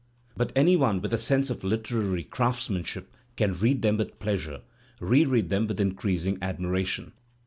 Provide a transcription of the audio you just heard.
But any one with a sense of Uteraiy craftsmanship can read them with pleasure, reread them with increasing admiration.